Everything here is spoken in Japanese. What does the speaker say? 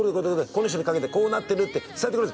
「この人にかけてこうなってるって伝えてくれ」